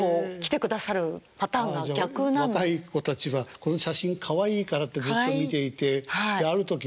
若い子たちはこの写真かわいいからってずっと見ていてある時えっ。